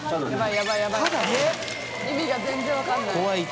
ヤバイ意味が全然わかんない。